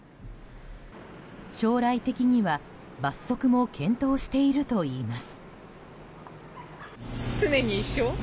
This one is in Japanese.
将来的には罰則も検討しているといいます。